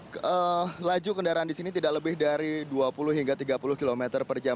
karena laju kendaraan di sini tidak lebih dari dua puluh hingga tiga puluh km per jam